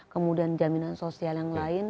kemudian jaminan sosial yang lain